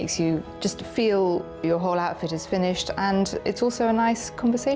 membuat anda merasakan bahwa seluruh pakaian anda sudah selesai